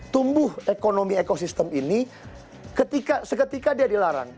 tumbuh ekonomi ekosistem ini seketika dia dilarang